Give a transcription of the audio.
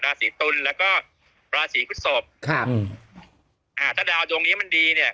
ศรีตุลแล้วก็ราศีพฤศพครับอ่าถ้าดาวดวงนี้มันดีเนี่ย